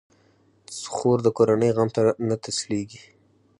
خور د کورنۍ غم ته نه تسلېږي.